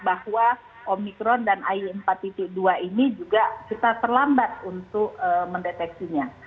bahwa omikron dan ay empat dua ini juga kita terlambat untuk mendeteksinya